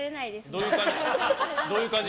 どういう感じ？